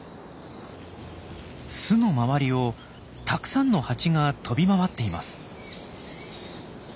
巣の周りをたくさんのハチが飛び回っています。